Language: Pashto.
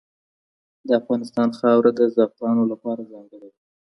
د افغانستان خاوره د زعفرانو لپاره ځانګړې ده.